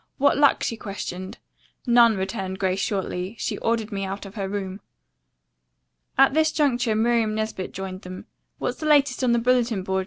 "What luck?" she questioned. "None," returned Grace shortly. "She ordered me out of her room." At this juncture Miriam Nesbit joined them. "What's the latest on the bulletin board?"